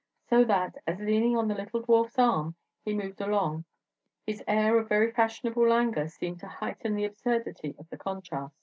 So that, as leaning on the little dwarf's arm he moved along, his very air of fashionable languor seemed to heighten the absurdity of the contrast.